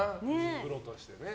プロとしてね。